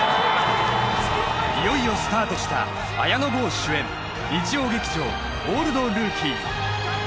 いよいよスタートした綾野剛主演日曜劇場「オールドルーキー」